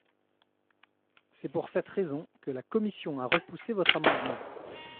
C’est pour cette raison que la commission a repoussé votre amendement.